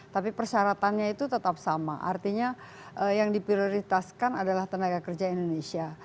tapi persyaratannya itu tetap sama artinya yang diprioritaskan adalah tenaga kerja indonesia